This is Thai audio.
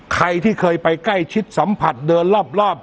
ใครที่เคยไปใกล้ชิดสัมผัสเดินรอบ